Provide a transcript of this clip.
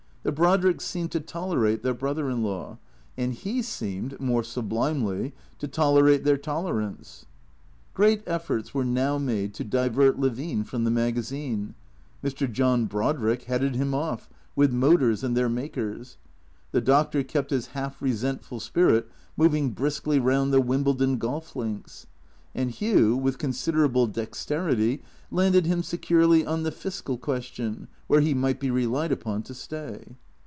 The Brodricks seemed to tolerate their brother in law; and he seemed, more sublimely, to tolerate their tolerance. Great eJEforts were now made to divert Levine from the maga zine. Mr. John Brodrick headed him off with motors and their makers ; the Doctor kept his half resentful spirit moving briskly round the Wimbledon golf links; and Hugh, with considerable dexterity, landed him securely on the fiscal question, where he might be relied upon to stay.